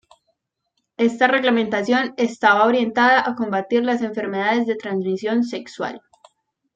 Esta reglamentación estaba orientada a combatir las enfermedades de transmisión sexual.